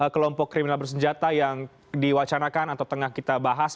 kelompok kriminal bersenjata yang diwacanakan atau tengah kita bahas